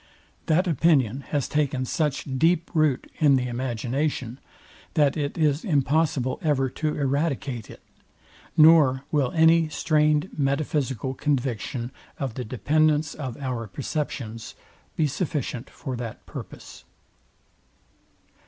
That opinion has taken such deep root in the imagination, that it is impossible ever to eradicate it, nor will any strained metaphysical conviction of the dependence of our perceptions be sufficient for that purpose.